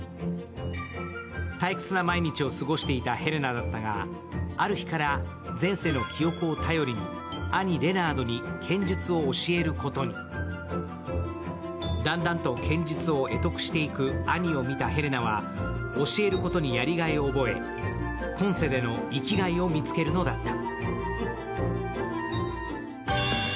退屈な毎日を過ごしていたヘレナだったがある日から前世の記憶を頼りに兄・レナードに剣術を教えることにだんだんと剣術を会得していく兄を見たヘレナは教えることにやりがいを覚え今世での生きがいを見つけるのだった。